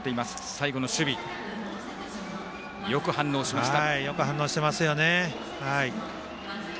最後の守備、よく反応しました。